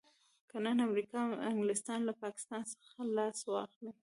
که نن امريکا او انګلستان له پاکستان څخه لاس واخلي.